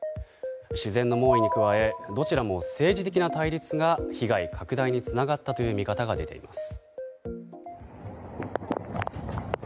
自然の猛威に加えどちらも政治的な対立が被害拡大につながったという見方が出ています。